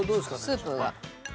スープは。